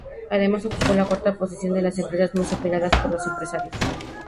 Además, ocupó la cuarta posición de las empresas más admiradas por los empresarios.